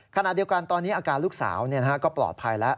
ขณะเดียวกันตอนนี้อาการลูกสาวก็ปลอดภัยแล้ว